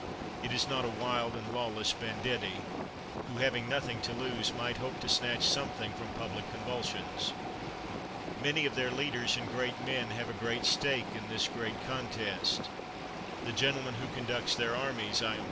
It is not a wild and lawless banditti, who, having nothing to lose, might hope to snatch something from public convulsions. Many of their leaders and great men have a great stake in this great contest. The gentleman who conducts their armies, I am.